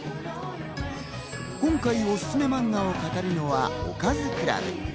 今回おすすめマンガを語るのはおかずクラブ。